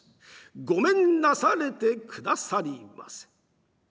ごめんなされてくださりませ」。